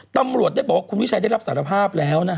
ตำรวจได้บอกว่าคุณวิชัยได้รับสารภาพแล้วนะฮะ